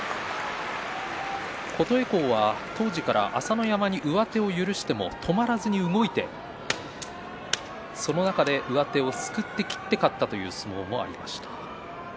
琴恵光は当時から朝乃山に上手を許しても止まらずに動いてその中で上手をすくって切って勝ったという相撲もありました。